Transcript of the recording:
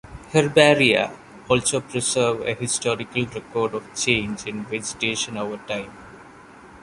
Herbaria also preserve a historical record of change in vegetation over time.